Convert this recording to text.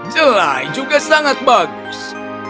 jelai juga sangat bagus